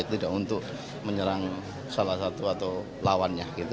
tidak untuk menyerang salah satu atau lawannya